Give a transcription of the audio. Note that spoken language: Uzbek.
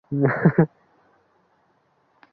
Yangi O‘zbekistonni bog‘u bo‘stonga aylantiraylik!ng